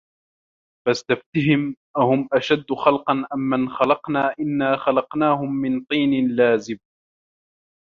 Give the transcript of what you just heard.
فَاستَفتِهِم أَهُم أَشَدُّ خَلقًا أَم مَن خَلَقنا إِنّا خَلَقناهُم مِن طينٍ لازِبٍ